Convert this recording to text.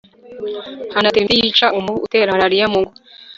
hanaterwa imiti yica umubu utera malariya mu ngo